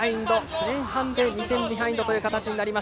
前半で２点ビハインドという形。